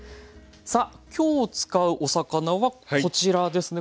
さあ今日使うお魚はこちらですね。